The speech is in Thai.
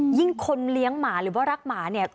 ยิ่งคนเลี้ยงหมาหรือว่ารักหมาเนี่ย